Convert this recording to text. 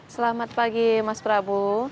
selamat pagi mas prabu